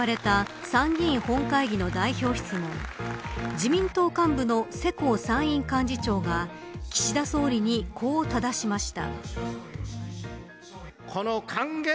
自民党幹部の世耕参院幹事長が岸田総理にこうただしました。